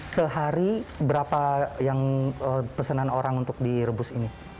sehari berapa yang pesanan orang untuk direbus ini